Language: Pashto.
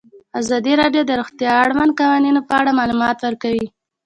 ازادي راډیو د روغتیا د اړونده قوانینو په اړه معلومات ورکړي.